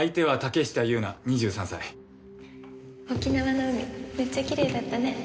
めっちゃきれいだったね。